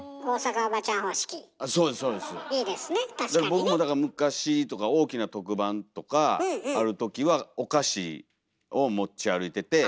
僕もだから昔とか大きな特番とかあるときはお菓子を持ち歩いてて。